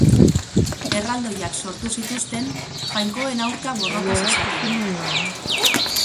Erraldoiak sortu zituzten, jainkoen aurka borroka zezaten.